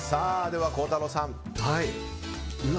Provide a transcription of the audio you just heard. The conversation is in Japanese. では、孝太郎さん。